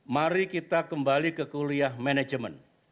mari kita kembali ke kuliah manajemen